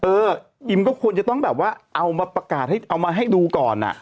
เอออิมก็ควรจะต้องแบบว่าเอามาประกาศให้เอามาให้ดูก่อนอ่ะ